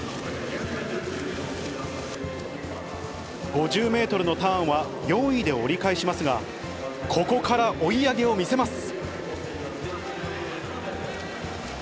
５０メートルのターンは４位で折り返しますが、ここから追い上げを見せます。